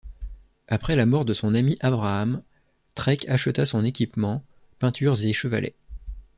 Après la mort de son ami Abraham, Treck acheta son équipement, peintures et chevalet.